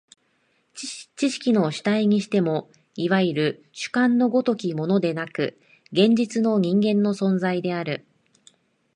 知識の主体にしても、いわゆる主観の如きものでなく、現実の人間の存在である。